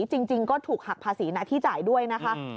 จริงก็ถูกหักภาษีหน้าที่จ่ายด้วยนะคะ